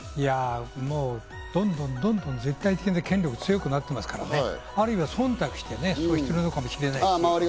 どんどんどんどん絶対的な権力が強くなっていますから或いは忖度して、そうしているのかもしれない。